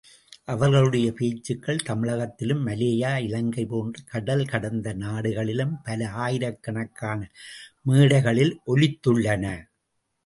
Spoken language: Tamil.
அவர்களுடைய பேச்சுக்கள் தமிழகத்திலும், மலேயா, இலங்கை போன்ற கடல் கடந்த நாடுகளிலும், பல ஆயிரக் கணக்கான மேடைகளில் ஒலித்துள்ளன.